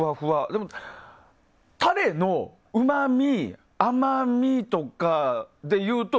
でも、タレのうまみ、甘みとかでいうとＢ。